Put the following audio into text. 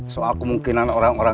soal kemungkinan orang orang